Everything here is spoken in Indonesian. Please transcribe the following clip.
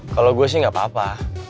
kalau gue sih gak apa apa